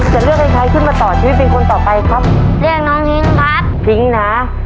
จะเลือกให้ใครขึ้นมาต่อชีวิตเป็นคนต่อไปครับเรียกน้องพิ้งครับพิ้งนะ